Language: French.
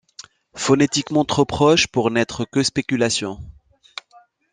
Phonétiquement trop proches pour n'être que spéculation.